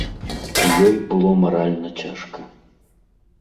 Ёй было маральна цяжка.